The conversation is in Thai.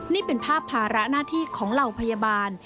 นี่เป็นภาพภาระหน้าที่ของเหล่าพยาบาล